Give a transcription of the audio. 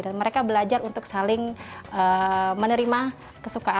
dan mereka belajar untuk saling menerima